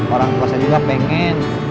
orang tua saya juga pengen